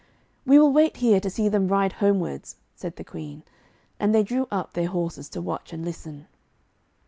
'We will wait here to see them ride homewards,' said the Queen, and they drew up their horses to watch and listen.